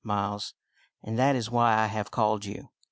Miles, and that is why I have called you.